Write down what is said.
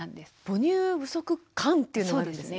母乳不足感というのがあるんですね。